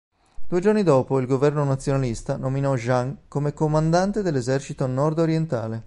Due giorni dopo il governo nazionalista nominò Zhang come comandante dell'esercito nord-orientale.